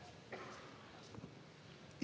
baik silakan pak prabowo